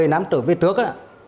một mươi năm trước phía trước á